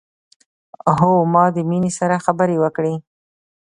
هو ما د مينې سره خبرې وکړې